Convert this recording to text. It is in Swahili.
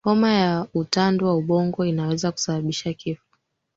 homa ya utandu wa ubongo inaweza kusababisha kifo